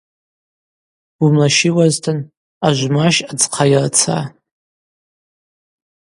Уымлащиуазтын ажвмащ адзхъа йырца.